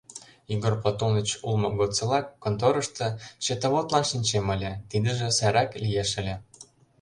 Егор Платоныч улмо годсылак, конторышто счетоводлан шинчем ыле — тидыже сайрак лиеш ыле.